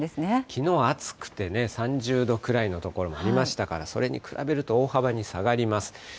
きのう、暑くてね、３０度くらいの所もありましたから、それに比べると大幅に下がります。